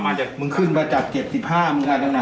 แมะมึงขึ้นมาจับเจ็บสิบห้ามึงอะ